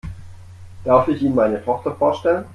Darf ich Ihnen meine Tochter vorstellen?